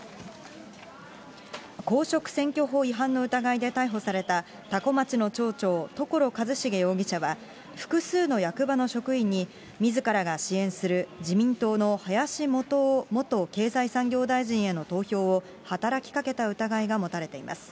公職選挙法違反の疑いで逮捕された、多古町の町長、所一重容疑者は、複数の役場の職員にみずからが支援する自民党の林幹雄元経済産業大臣への投票を働きかけた疑いが持たれています。